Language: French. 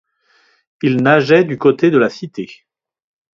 Il nageait du côté de la Cité.